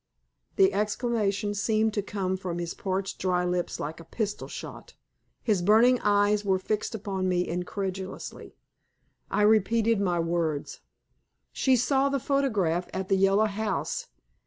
The exclamation seemed to come from his parched, dry lips like a pistol shot. His burning eyes were fixed upon me incredulously. I repeated my words. "She saw his photograph at the Yellow House.